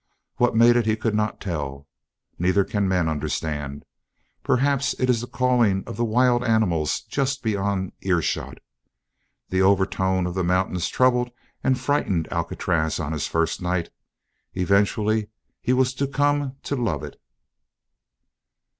What made it he could not tell. Neither can men understand. Perhaps it is the calling of the wild animals just beyond ear shot. That overtone of the mountains troubled and frightened Alcatraz on his first night; eventually he was to come to love it.